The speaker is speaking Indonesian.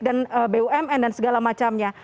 dan bumn dan segala macamnya